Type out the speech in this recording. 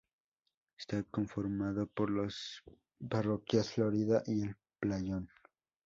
Está conformado por las parroquias Florida y El Playón.